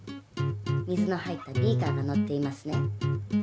水の入ったビーカーがのっていますね。